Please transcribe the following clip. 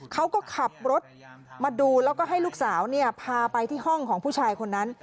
เขาก็ขับรถมาดูแล้วก็ให้ลูกสาวพาไปที่ห้องของผู้ชายคนนั้น